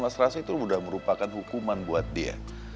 mas rasyu itu udah merupakan hukuman buat dia